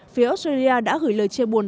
phía australia đã gửi lời chê buồn